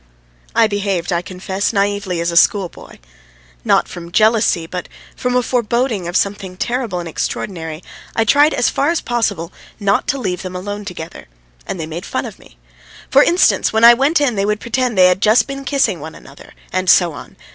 I behaved, I confess, as naïvely as a schoolboy. Not from jealousy, but from a foreboding of something terrible and extraordinary, I tried as far as possible not to leave them alone together, and they made fun of me. For instance, when I went in they would pretend they had just been kissing one another, and so on.